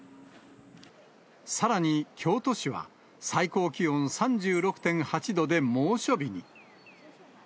さらに京都市は、最高気温３６．８度で猛暑日に。